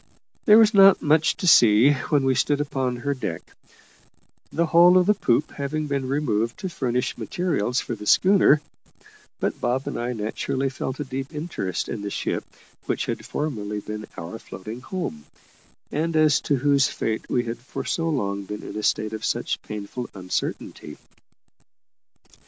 There was not much to see when we stood upon her deck the whole of the poop having been removed to furnish materials for the schooner; but Bob and I naturally felt a deep interest in the ship which had formerly been our floating home, and as to whose fate we had for so long been in a state of such painful uncertainty.